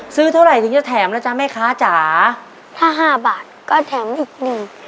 ซื้อเท่าไหร่ถึงจะแถมแล้วจ๊ะแม่ค้าจ๋าถ้าห้าบาทก็แถมอีกหนึ่ง